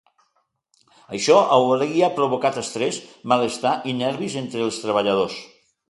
Això hauria provocat estrès, malestar i nervis entre els treballadors.